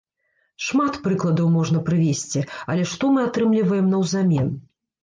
Шмат прыкладаў можна прывесці, але што мы атрымліваем наўзамен?